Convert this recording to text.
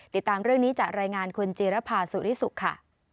ติดตามเรื่องนี้จากรายงานคุณจีรภาสุริสุขค่ะ